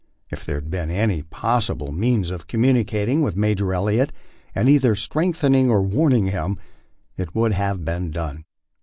If there had been any possible means of communicating with Major Elli ot, and either strengthening or warning him, it would have been done.